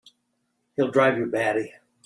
He'll drive you batty!